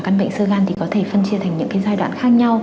các bệnh sơ gan thì có thể phân chia thành những giai đoạn khác nhau